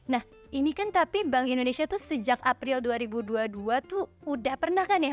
nah ini kan tapi bank indonesia tuh sejak april dua ribu dua puluh dua tuh udah pernah kan ya